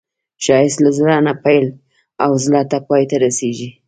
ښایست له زړه نه پیل او زړه ته پای ته رسېږي